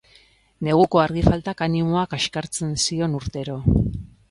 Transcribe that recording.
Neguko argi faltak animoa kaxkartzen zion urtero.